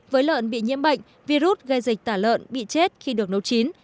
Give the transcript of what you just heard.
với lợn bị nhiễm bệnh virus gây dịch tả lợn bị chết khi được nấu chín